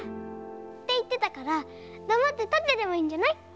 っていってたからだまってたってればいいんじゃない？